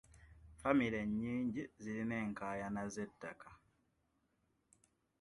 Famire nnyingi zirina enkaayana z'ettaka.